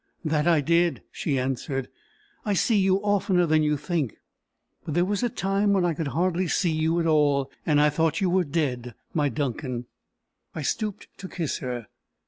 "That I did," she answered. "I see you oftener than you think. But there was a time when I could hardly see you at all, and I thought you were dead, my Duncan." I stooped to kiss her.